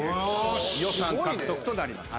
予算獲得となります。